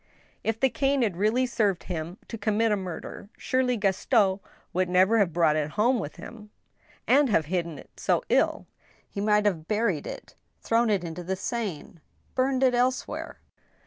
If the cane had really served him to commit a murder, surely Gaston would never have brought it home with him, and have hidden it so ill. He might have buried it, thrown it into the Seine, burned it elsewhere.